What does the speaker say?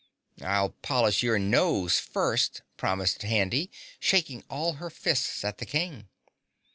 "I'll polish your nose first!" promised Handy, shaking all her fists at the King.